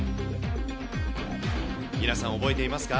皆さん、覚えていますか？